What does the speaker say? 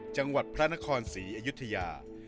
จังหวัดพระนครศรีอยุธยา